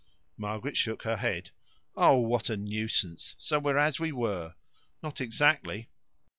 Margaret shook her head. "Oh, what a nuisance! So we're as we were?" "Not exactly."